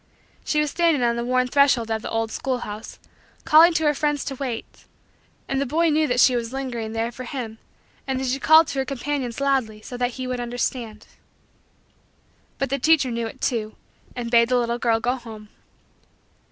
She was standing on the worn threshold of the old schoolhouse, calling to her friends to wait; and the boy knew that she was lingering there for him and that she called to her companions loudly so that he would understand. But the teacher knew it too and bade the little girl go home.